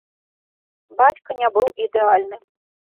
Бацька не быў ідэальным.